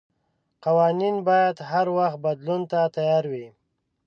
قوانين بايد هر وخت بدلون ته تيار وي.